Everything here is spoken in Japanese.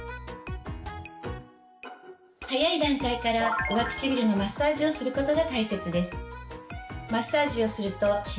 早い段階から上唇のマッサージをすることが大切です。